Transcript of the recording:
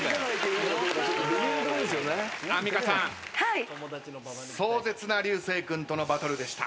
アンミカさん壮絶な流星君とのバトルでした。